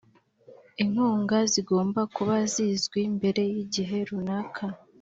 inkunga zigomba kuba zizwi mbere y'igihe runaka